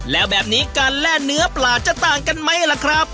แล้วแบบนี้การแล่เนื้อปลาจะต่างกันไหมล่ะครับ